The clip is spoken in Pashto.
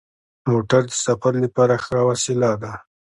موټر د سفر لپاره ښه وسیله ده.